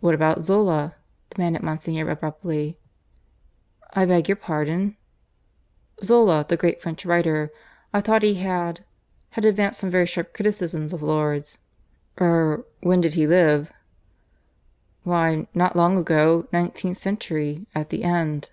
"What about Zola?" demanded Monsignor abruptly. "I beg your pardon?" "Zola, the great French writer. I thought he had ... had advanced some very sharp criticisms of Lourdes." "Er when did he live?" "Why, not long ago; nineteenth century, at the end."